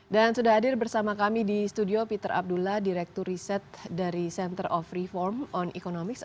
dan sudah hadir bersama kami di studio peter abdullah direktur riset dari center of reform on economics